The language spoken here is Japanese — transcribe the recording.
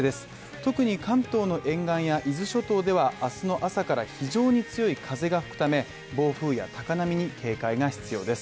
特に関東の沿岸や伊豆諸島では、あすの朝から非常に強い風が吹くため、暴風や高波に警戒が必要です。